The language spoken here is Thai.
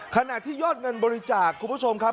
ขณะที่ยอดเงินบริจาคคุณผู้ชมครับ